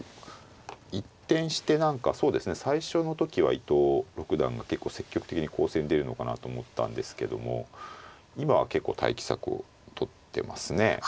一転して何かそうですね最初の時は伊藤六段が結構積極的に攻勢に出るのかなと思ったんですけども今は結構待機策をとってますね。